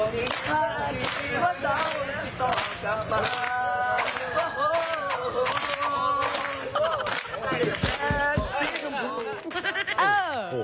คนที่สุดแท้แชทสียามพูครับ